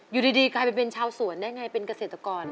อยู่ดีกลายเป็นชาวสวนได้ไงเป็นเกษตรกร